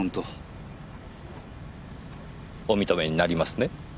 お認めになりますね。